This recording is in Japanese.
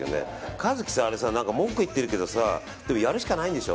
和樹さ文句言ってるけどさやるしかないんでしょ？